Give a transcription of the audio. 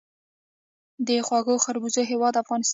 د خوږو خربوزو هیواد افغانستان.